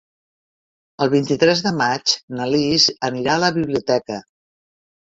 El vint-i-tres de maig na Lis anirà a la biblioteca.